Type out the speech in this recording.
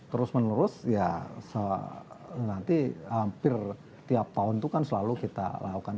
terus menerus ya nanti hampir tiap tahun itu kan selalu kita lakukan